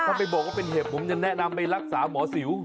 ถ้าไม่บอกว่าเป็นเห็บผมจะแนะนำไปรักษาหมอสิว